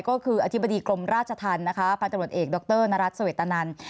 ก็คืออธิบดีกรมราชธรรมนะคะพันธบรวจเอกดรนรัฐเสวตนัน